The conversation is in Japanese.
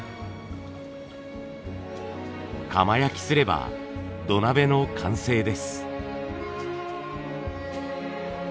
窯焼きすれば土鍋の完成です。